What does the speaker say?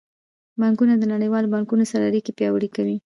بانکونه د نړیوالو بانکونو سره اړیکې پیاوړې کوي.